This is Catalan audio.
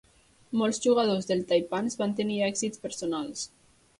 Molts jugadors del Taipans van tenir èxits personals.